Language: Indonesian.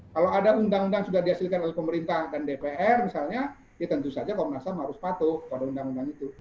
kalau ada undang undang sudah dihasilkan oleh pemerintah dan dpr misalnya ya tentu saja komnas ham harus patuh pada undang undang itu